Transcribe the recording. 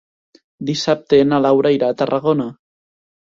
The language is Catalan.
Dissabte na Laura irà a Tarragona.